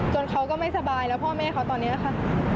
เขาก็ไม่สบายแล้วพ่อแม่เขาตอนนี้ค่ะ